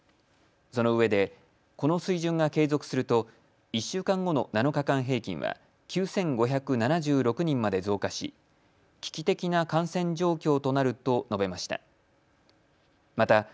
そのうえでこの水準が継続すると１週間後の７日間平均は９５７６人まで増加し危機的な感染状況となると述べました。